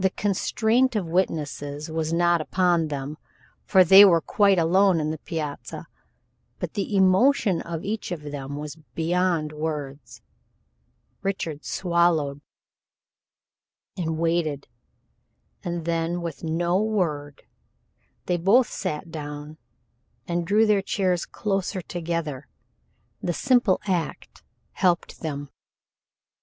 The constraint of witnesses was not upon them, for they were quite alone on the piazza, but the emotion of each of them was beyond words. Richard swallowed, and waited, and then with no word they both sat down and drew their chairs closer together. The simple act helped them.